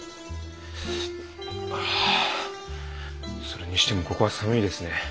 ああそれにしてもここは寒いですね。